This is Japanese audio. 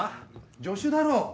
助手だろ。